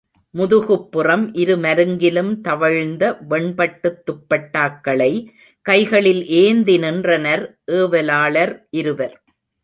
முதுகுப்புறம் இரு மருங்கிலும் தவழ்ந்த வெண்பட்டுத் துப்பட்டாக்களை கைகளில் ஏந்தி நின்றனர் ஏவலாளர் இருவர்.